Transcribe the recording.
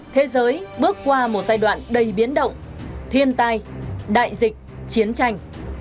thế giới bước qua một giai đoạn đầy biến động thiên tai đại dịch chiến tranh